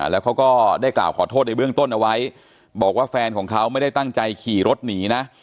แล้วเขาก็ได้กล่าวขอโทษในเบื้องต้นเอาไว้บอกว่าแฟนของเขาไม่ได้ตั้งใจขี่รถหนีนะ